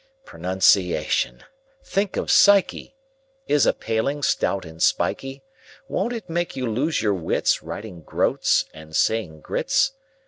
Pronunciation—think of psyche!— Is a paling, stout and spikey; Won't it make you lose your wits, Writing "groats" and saying groats?